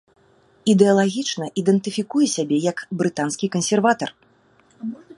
Ідэалагічна ідэнтыфікуе сябе як брытанскі кансерватар.